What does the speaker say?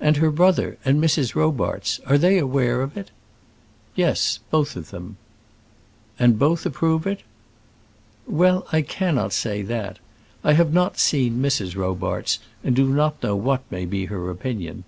"And her brother, and Mrs. Robarts; are they aware of it?" "Yes; both of them." "And both approve of it?" "Well, I cannot say that. I have not seen Mrs. Robarts, and do not know what may be her opinion.